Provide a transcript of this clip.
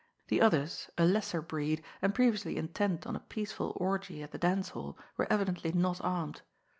The others, a lesser breed, and previously intent on a peaceful orgy at the dance hall, were evidently not armed.